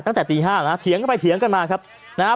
ตั้งแต่ตีห้านะฮะเถียงกันไปเถียงกันมาครับนะฮะ